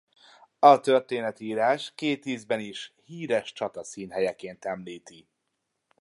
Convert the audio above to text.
A történetírás két ízben is híres csata színhelyeként említi.